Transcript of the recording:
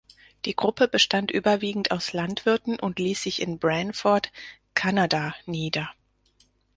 Die Gruppe bestand überwiegend aus Landwirten und ließ sich in Branford (Kanada) nieder.